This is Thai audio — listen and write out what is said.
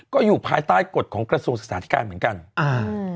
ก็อยู่ภายใต้กฎของกระทรวงศึกษาธิการเหมือนกันอ่า